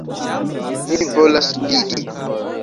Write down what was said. Mi volas vidi.